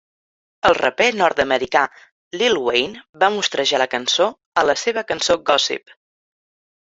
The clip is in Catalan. El raper nord-americà Lil Wayne va mostrejar la cançó a la seva cançó Gossip.